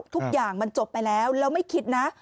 ทุกอย่างมันจบไปแล้วแล้วไม่คิดนะ